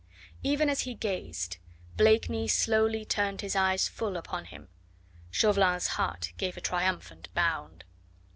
Even as he gazed, Blakeney slowly turned his eyes full upon him. Chauvelin's heart gave a triumphant bound.